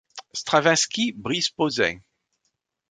Stravinsky, Brice Pauset.